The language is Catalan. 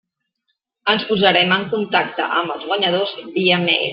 Ens posarem en contacte amb els guanyadors via mail.